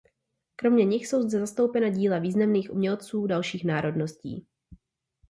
Kromě nich jsou zde zastoupena díla významných umělců dalších národností.